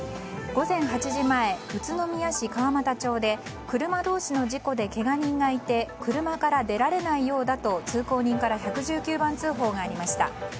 午前８時前、宇都宮市川俣町で車同士の事故でけが人がいて車から出られないようだと通行人から１１９番通報がありました。